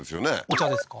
お茶ですか？